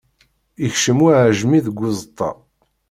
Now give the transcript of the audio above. Ikcem uɛejmi deg uzeṭṭa.